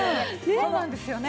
そうなんですよね。